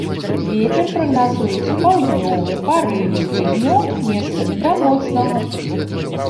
Вецер прагназуецца паўднёвы парывісты, днём месцамі да моцнага.